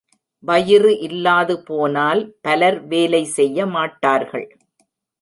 வயிறு இல்லாது போனால் பலர் வேலை செய்யமாட்டார்கள்.